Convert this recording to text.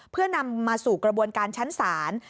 เพื่อนำมาสู่กระบวนการชั้นศาล